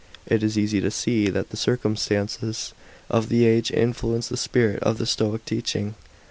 It is easy to see that the circum stances of the age influenced the spirit of the Stoic teaching.